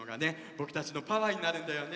ぼくたちのパワーになるんだよね！